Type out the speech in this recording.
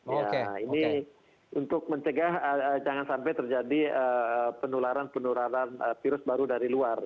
nah ini untuk mencegah jangan sampai terjadi penularan penularan virus baru dari luar